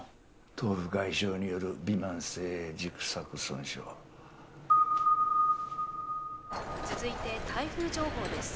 頭部外傷によるびまん性軸索損傷続いて台風情報です